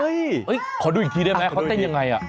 เฮ้ยขอดูอีกทีได้ไหมเขาเต้นอย่างไรน่ะ